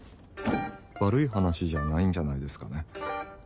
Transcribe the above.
悪い話じゃないんじゃないですかね。